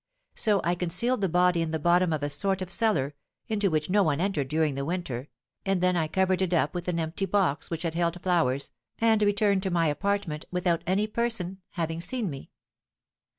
So I concealed the body in the bottom of a sort of cellar, into which no one entered during the winter, and then I covered it up with an empty box which had held flowers, and returned to my apartment, without any person having seen me.